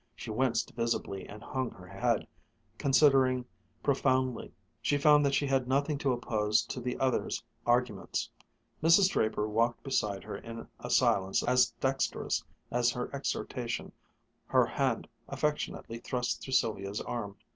She winced visibly, and hung her head, considering profoundly. She found that she had nothing to oppose to the other's arguments. Mrs. Draper walked beside her in a silence as dexterous as her exhortation, her hand affectionately thrust through Sylvia's arm.